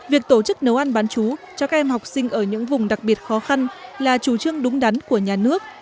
việc tổ chức nấu ăn bán chú cho các em học sinh ở những vùng đặc biệt khó khăn là chủ trương đúng đắn của nhà nước